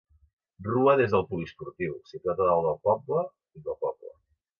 Rua des del poliesportiu, situat a dalt del poble, fins al poble.